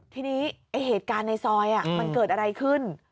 ทีนี้เหตุการณ์ในซอยมันเกิดอะไรขึ้น